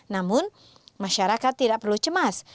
namun masyarakat tidak perlu cemas